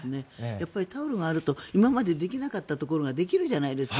タオルがあると今までできなかったところができるじゃないですか。